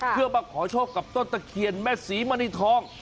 เพื่อมาขอโชคกับต้นตะเคียนแม่ศรีมณีทอง